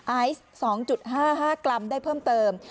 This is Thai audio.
ไอซ์๒๕๕กรัมได้เพิ่มเติม